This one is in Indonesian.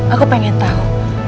aku pengen tahu